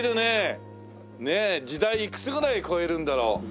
ねえ時代いくつぐらい超えるんだろう？